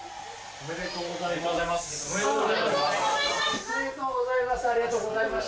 おめでとうございます。